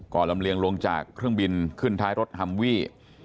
ลำเลียงลงจากเครื่องบินขึ้นท้ายรถฮัมวี่